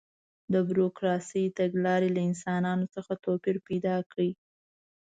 د بروکراسي تګلارې له انسانانو څخه توپیر پیدا کړ.